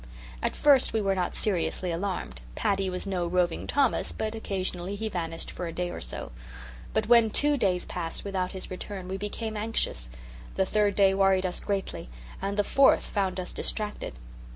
At first we were not seriously alarmed. Paddy was no roving Thomas, but occasionally he vanished for a day or so. But when two days passed without his return we became anxious, the third day worried us greatly, and the fourth found us distracted.